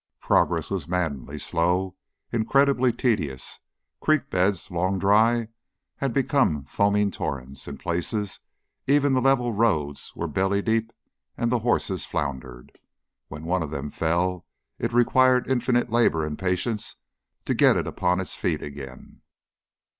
Progress was maddeningly slow, incredibly tedious; creek beds, long dry, had become foaming torrents; in places even the level roads were belly deep and the horses floundered. When one of them fell, it required infinite labor and patience to get it upon its feet again.